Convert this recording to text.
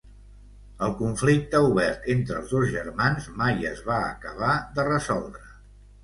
El conflicte obert entre els dos germans mai es va acabar de resoldre.